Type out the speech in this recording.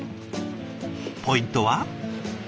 ポイントは？